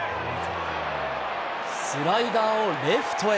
スライダーをレフトへ。